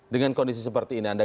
dengan kondisi seperti ini anda